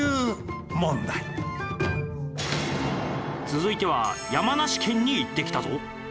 続いては山梨県に行ってきたぞ。